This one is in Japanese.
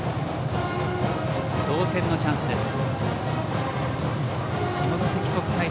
同点のチャンスです。